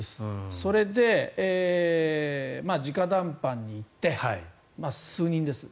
それで、直談判に行って数人です。